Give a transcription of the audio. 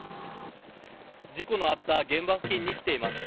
事故のあった現場付近に来ています。